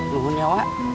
lu pun ya wak